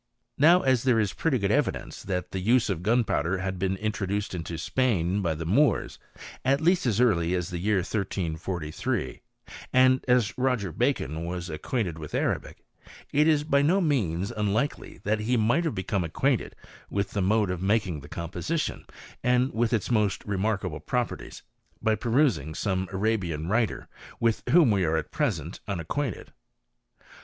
Now as there is pretty good evidence that the use of gunpowder had been introduced into Spain by the Moors, at least as early as the year 1343, and as Roger Bacon was acquainted with Arabic, it is by no means unlikely that he might have become ac quainted with the mode of making the composition, and with its most remarkable properties, by perusing some Arabian writer, with whom we are at present unacquainted.